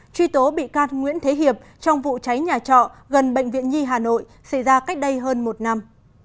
truy tố bị can nguyễn thế hiệp trong vụ cháy nhà trọ gần bệnh viện nhi hà nội xảy ra cách đây hơn một năm